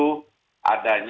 pada saat ini